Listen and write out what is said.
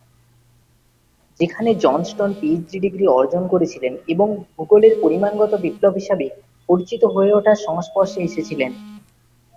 সেখানে Johnston PhD degree অর্জন করেছিলেন এবং ভূগোলের পরিমাণগত বিপ্লব হিসাবে পরিচিত হয়ে ওঠার সংস্পর্শে এসেছিলেন।